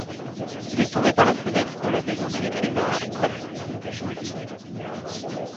Il est tombé par la fenêtre du de la Maison des écrivains à Dubulti.